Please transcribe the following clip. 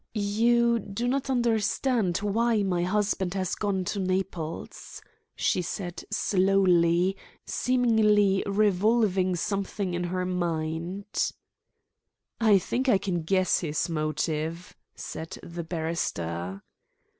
"You do not understand why my husband has gone to Naples," she said slowly, seemingly revolving something in her mind. "I think I can guess his motive," said the barrister.